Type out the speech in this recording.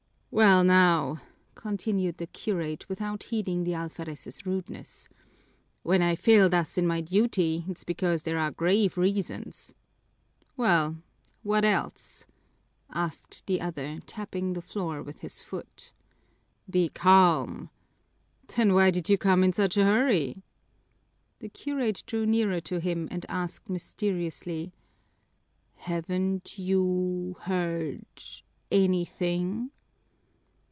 "Well, now," continued the curate, without heeding the alferez's rudeness, "when I fail thus in my duty, it's because there are grave reasons." "Well, what else?" asked the other, tapping the floor with his foot. "Be calm!" "Then why did you come in such a hurry?" The curate drew nearer to him and asked mysteriously, "Haven't you heard anything?"